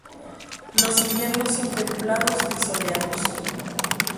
Los inviernos son templados y soleados.